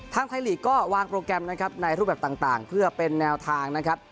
ไทยลีกก็วางโปรแกรมนะครับในรูปแบบต่างเพื่อเป็นแนวทางนะครับ